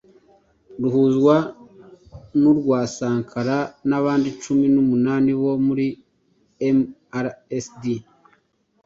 ruhuzwa n’urwa sankara n’abandi cumi n’umunani bo muri mrcd